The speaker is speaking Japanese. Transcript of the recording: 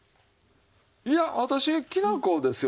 いや私きな粉ですよ。